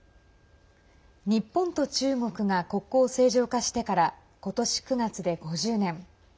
日本と中国が国交を正常化してから今年９月で５０年。